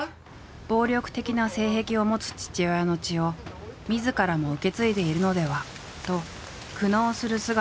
暴力的な性癖を持つ父親の血をみずからも受け継いでいるのではと苦悩する姿を熱演した。